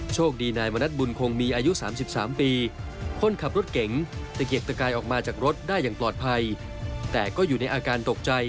ที่คนขับรถเก๋งจะเกียกตะกายออกมาจากรถได้อย่างปลอดภัยแต่ก็อยู่ในอาการตกใจ